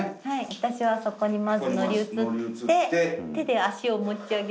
私はそこにまず乗り移って手で脚を持ち上げて脚を。